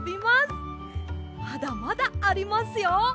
まだまだありますよ。